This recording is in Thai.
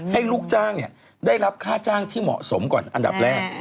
ลูกจ้างได้รับค่าจ้างที่เหมาะสมก่อนอันดับแรก